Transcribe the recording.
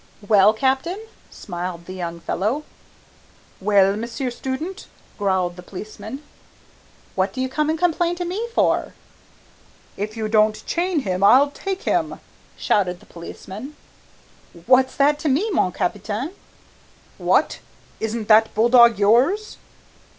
"Well, Captain," smiled the young fellow. "Well, Monsieur Student," growled the policeman. "What do you come and complain to me for?" "If you don't chain him I'll take him," shouted the policeman. "What's that to me, mon capitaine?" "Wha t! Isn't that bull dog yours?"